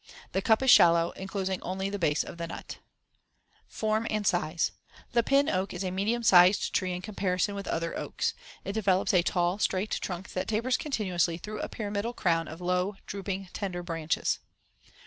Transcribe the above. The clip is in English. The cup is shallow, enclosing only the base of the nut. [Illustration: FIG. 63. Pin Oaks in Winter.] Form and size: The pin oak is a medium sized tree in comparison with other oaks. It develops a tall, straight trunk that tapers continuously through a pyramidal crown of low, drooping tender, branches.